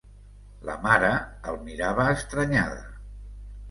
La mare, el mirava estranyada